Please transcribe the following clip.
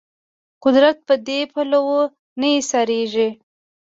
قدرت په دې پولو نه ایسارېږي